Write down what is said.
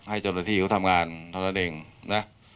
ให้เจ้าหน้าที่เขาทำงานเท่านั้นเองนะ